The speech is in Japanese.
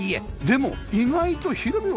でも意外と広々